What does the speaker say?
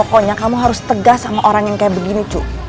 pokoknya kamu harus tegas sama orang yang kayak begini cu